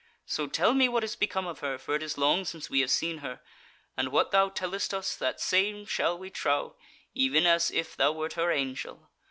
So tell me what is become of her, for it is long since we have seen her; and what thou tellest us, that same shall we trow, even as if thou wert her angel.